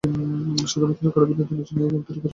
শুধুমাত্র কারো বিনোদনের জন্যই এই গেম তৈরি, রাইট?